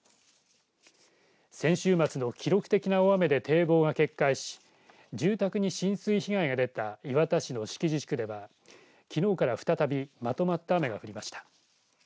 先週末の記録的な大雨で堤防が決壊し住宅に浸水被害が出た磐田市の敷地地区ではきのうから再びまとまった雨が降りました。